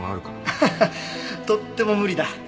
ハハハッとっても無理だ。